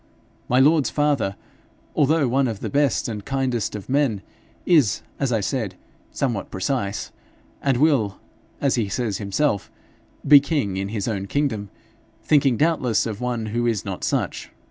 My lord's father, although one of the best and kindest of men, is, as I said, somewhat precise, and will, as he says himself, be king in his own kingdom thinking doubtless of one who is not such.